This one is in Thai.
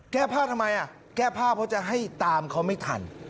แก้ผ้าทำไมแก้ผ้าเพราะจะให้ตามเขาไม่ทัน